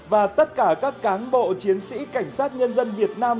và tất cả các cán bộ chiến sĩ cảnh sát nhân dân việt nam